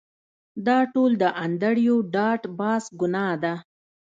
دا ټول د انډریو ډاټ باس ګناه ده